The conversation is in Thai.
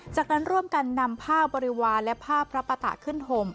จากนั้นร่วมกันนำผ้าบริวารและผ้าพระปะตะขึ้นห่ม